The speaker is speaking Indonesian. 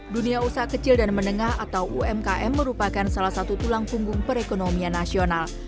dunia usaha kecil dan menengah atau umkm merupakan salah satu tulang punggung perekonomian nasional